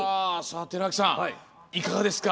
寺脇さん、いかがですか？